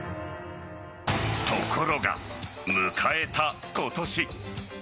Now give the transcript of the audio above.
ところが、迎えた今年。